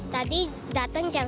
tadi datang jam satu